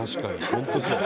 本当そう！